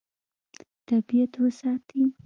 طبیعت وساتي.